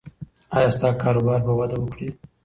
ایا ستا کاروبار به وده وکړي؟